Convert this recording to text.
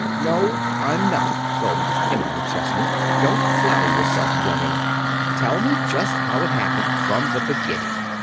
"No, I'm not," gulped Emma McChesney. "Don't flatter yourself, young 'un. Tell me just how it happened. From the beginning."